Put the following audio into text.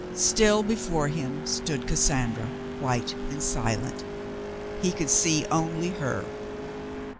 Still before him stood Cassandra, white and silent; he could see only her.